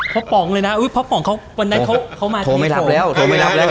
พ่อป๋องเลยนะอุ้ยพ่อป๋องเขาวันหน้าเขามาที่นี่โทร